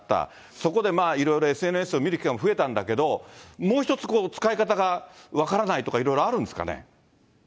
そこでいろいろＳＮＳを見る機会も増えたんだけど、もう一つ、使い方が分からないとか、いろいろあるんですかね。